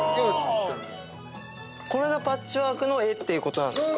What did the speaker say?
これがパッチワークの絵っていうことなんですか？